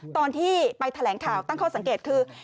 ตอนที่ไปแถลงข่าวตั้งข้อสังเกตคือ